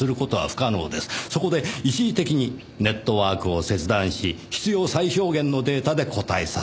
そこで一時的にネットワークを切断し必要最小限のデータで答えさせた。